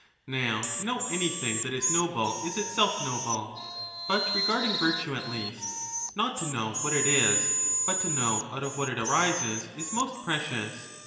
Nowtoknow an>'thing that is noble is itself noble ; but regarding virtue, at least, not to know what it is, but to know out of what it arises 20 is most precious.